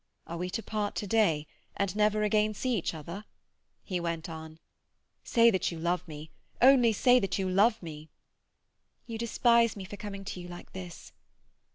"Are we to part to day, and never again see each other?" he went on. "Say that you love me! Only say that you love me!" "You despise me for coming to you like this."